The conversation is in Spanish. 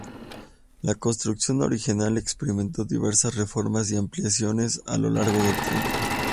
La construcción original experimentó diversas reformas y ampliaciones a lo largo del tiempo.